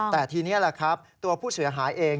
แต่ทีนี้ตัวผู้เสียหายเอง